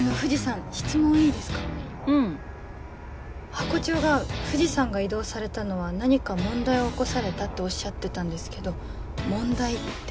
ハコ長が藤さんが異動されたのは何か問題を起こされたっておっしゃってたんですけど問題って。